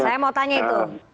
saya mau tanya itu